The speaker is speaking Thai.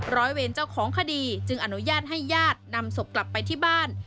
ร้อยเวรเจ้าของคดีจึงอนุญาตให้ญาตินำศพกลับไปที่บ้าน